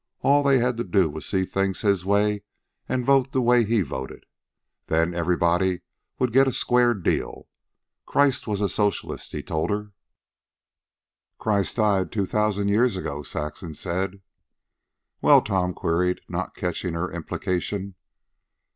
All they had to do was see things in his way and vote the way he voted. Then everybody would get a square deal. Christ was a Socialist, he told her. "Christ died two thousand years ago," Saxon said. "Well?" Tom queried, not catching her implication.